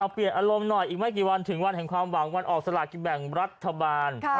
เปลี่ยนอารมณ์หน่อยอีกไม่กี่วันถึงวันแห่งความหวังวันออกสลากินแบ่งรัฐบาล